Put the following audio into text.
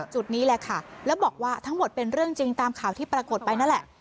จุดนี้แหละค่ะแล้วบอกว่าทั้งหมดเป็นเรื่องจริงตามข่าวที่ปรากฏไปนั่นแหละ